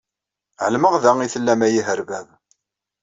Ɛelmeɣ da i tellam ay iherbab!